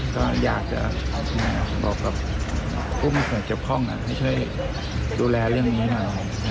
ก็อยากจะบอกกับผู้ไม่สนใจเจ็บคล่องน่ะให้ช่วยดูแลเรื่องนี้ค่ะ